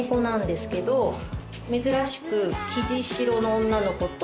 珍しく。